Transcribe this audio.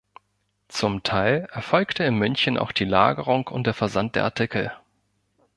Zum Teil erfolgte in München auch die Lagerung und der Versand der Artikel.